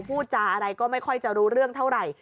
พูดจาอะไรก็ไม่ค่อยจะรู้เรื่องเท่าไหร่